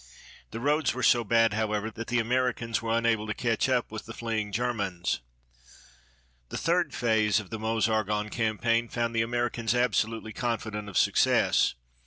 The roads were so bad, however, that the Americans were unable to catch up with the fleeing Germans. The third phase of the Meuse Argonne campaign found the Americans absolutely confident of success.